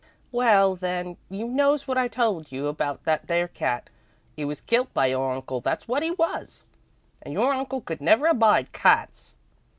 "Well, then, you knows wot I told you about that there cat. 'E was kilt by your uncle, that's wot 'e was, and your uncle couldn't never abide cats.